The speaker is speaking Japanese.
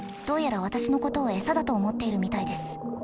どうやら私のことを餌だと思っているみたいです。